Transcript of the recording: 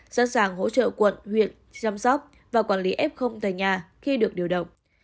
sẵn sàng hỗ trợ quận huyện chăm sóc và quản lý f tại nhà khi được điều động